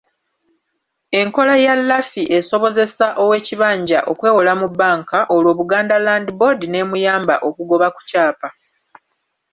Enkola ya LAFI esobozesa ow’ekibanja okwewola mu bbanka olwo Buganda Land Board n'emuyamba okugoba ku kyapa.